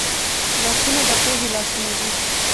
لاسونه د پوهې لاسونه دي